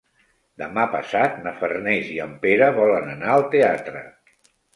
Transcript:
Demà passat na Farners i en Pere volen anar al teatre.